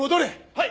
はい！